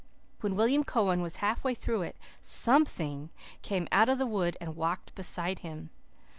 When William Cowan was half way through it SOMETHING came out of the wood and walked beside him."